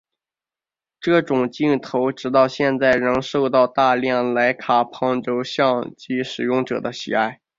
这种镜头直到现在仍受到大量莱卡旁轴相机使用者的喜爱。